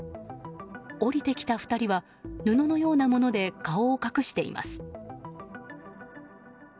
降りてきた２人は布のようなもので顔を隠しています。